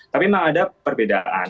tapi memang ada perbedaan